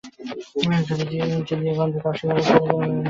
যদি জিযিয়া কর দিতে অস্বীকার কর, তাহলে আমরা তোমাদের বিরূদ্ধে যুদ্ধ করব।